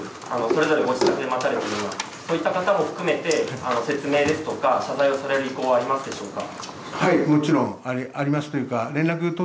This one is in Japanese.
それぞれご自宅で待たれているような、そういった方も含めて、説明ですとか、謝罪をされる意向はありますでしょうか。